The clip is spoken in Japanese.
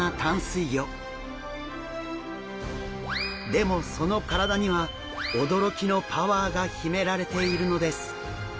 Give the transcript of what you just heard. でもその体には驚きのパワーが秘められているのです。